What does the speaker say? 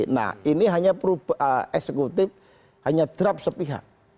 nah ini hanya eksekutif hanya draft sepihak